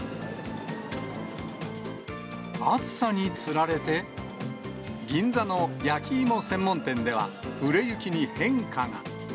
暑さにつられて、銀座の焼き芋専門店では、売れ行きに変化が。